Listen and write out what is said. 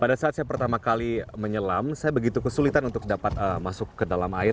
pada saat saya pertama kali menyelam saya begitu kesulitan untuk dapat masuk ke dalam air